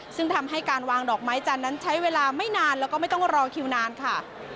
ซึ่งทำให้การวางดอกไม้จันทร์นั้นใช้เวลาไม่นานแล้วก็ไม่ต้องรอคิวนานค่ะ